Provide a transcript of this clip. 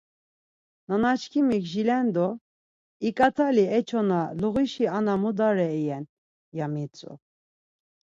Nanaşǩimik jilendo: İǩatali e çona luğişi ana mudara iyen. ya mitzu.